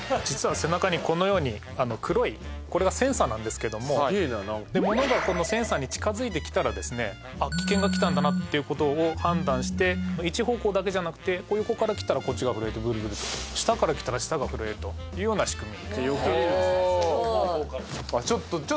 実は背中にこのように黒いこれがセンサーなんですけども物がこのセンサーに近づいてきたらですね危険が来たんだなってことを判断して一方向だけじゃなくて横から来たらこっちが震えてブルブルと下から来たら下が震えるというような仕組みじゃよけれるんですね